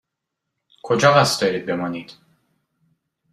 کجا قصد دارید بمانید؟